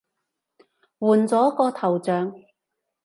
換咗個頭像